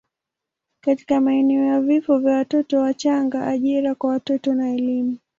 katika maeneo ya vifo vya watoto wachanga, ajira kwa watoto na elimu.